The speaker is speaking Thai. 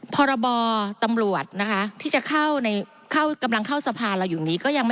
พบตำรวจที่จะเข้ากำลังเข้าสะพานเราอยู่นี้